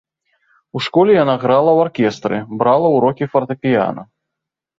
У школе яна грала ў аркестры, брала ўрокі фартэпіяна.